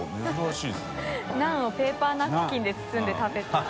ナンをペーパーナプキンで包んで食べてる。